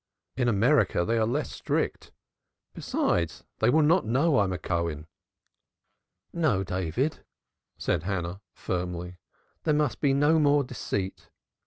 In America they are less strict; besides, they will not know I am a Cohen." "No. David," said Hannah firmly. "There must be no more deceit.